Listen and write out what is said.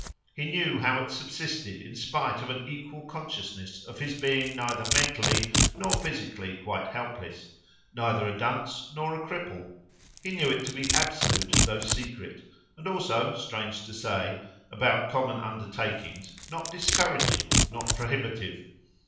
He knew how it subsisted in spite of an equal consciousness of his being neither mentally nor physically quite helpless, neither a dunce nor a cripple; he knew it to be absolute, though secret, and also, strange to say, about common undertakings, not discouraging, not prohibitive.